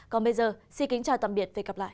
còn bây giờ xin kính chào tạm biệt và hẹn gặp lại